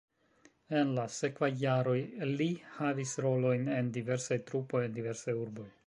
En la sekvaj jaroj li havis rolojn en diversaj trupoj en diversaj urboj.